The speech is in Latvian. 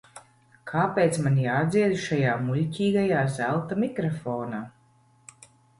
Kāpēc man jādzied šajā muļķīgajā zelta mikrofonā?